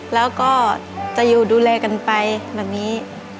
แล้วก็จะอยู่ดูแลกันไปแบบนี้